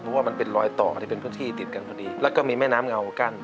เพราะว่ามันเป็นรอยต่อที่เป็นพื้นที่ติดกันพอดีแล้วก็มีแม่น้ำเงากั้น